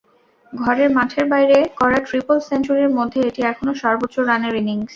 ঘরের মাঠের বাইরে করা ট্রিপল সেঞ্চুরির মধ্যে এটি এখনো সর্বোচ্চ রানের ইনিংস।